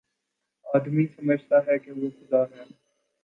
آدمی سمجھتا ہے کہ وہ خدا ہے